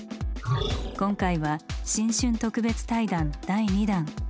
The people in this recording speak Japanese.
今回は新春特別対談第２弾。